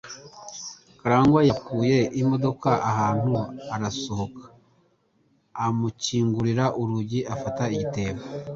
Karangwa yakuye imodoka ahantu, arasohoka, amukingurira urugi afata igitebo.